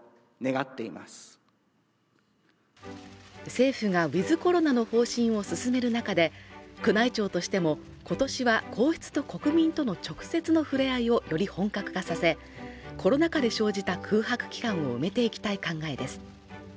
政府がウィズ・コロナの方針を進める中で宮内庁としても今年は皇室と国民との直接のふれあいをより本格化させコロナ禍で生じた空白期間を埋めていきたい考えです